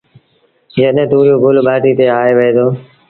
جڏهيݩ تُوريو گل ٻآٽيٚ تي آئي وهي دو